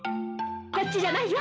こっちじゃないよ！